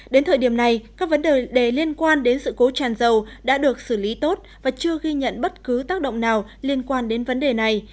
đến thời điểm này các vấn đề liên quan đến sự cố tràn dầu đã được xử lý tốt và chưa ghi nhận bất cứ tác động nào liên quan đến vấn đề này